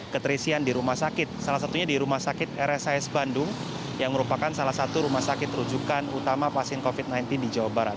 keterisian di rumah sakit salah satunya di rumah sakit rshs bandung yang merupakan salah satu rumah sakit rujukan utama pasien covid sembilan belas di jawa barat